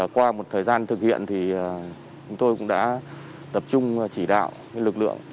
qua một thời gian thực hiện thì chúng tôi cũng đã tập trung chỉ đạo lực lượng